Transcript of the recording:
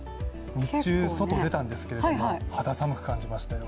日中、外出たんですけれども、肌寒く感じましたよ。